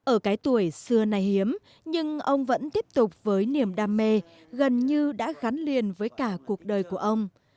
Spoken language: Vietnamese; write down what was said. ở cái tuổi xưa này hiếm nhưng ông vẫn tiếp tục với niềm đam mê gần như đã gắn liền với cả cuộc đời của ông